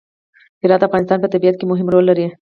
هرات د افغانستان په طبیعت کې مهم رول لري.